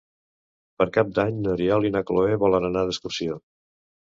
Per Cap d'Any n'Oriol i na Cloè volen anar d'excursió.